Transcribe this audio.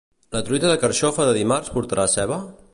La truita de carxofa de dimarts portarà ceba?